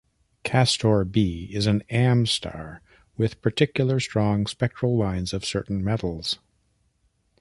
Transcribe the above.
Castor B is an Am star, with particularly strong spectral lines of certain metals.